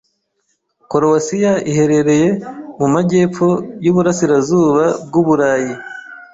Korowasiya iherereye mu majyepfo y'uburasirazuba bw'Uburayi.